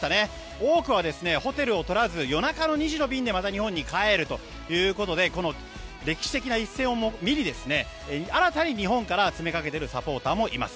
多くはホテルを取らず夜中の２時の便でまた日本に帰るということでこの歴史的な一戦を見に新たに日本から詰めかけているサポーターもいます。